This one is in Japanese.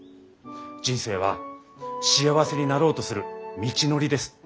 人生は幸せになろうとする道のりです。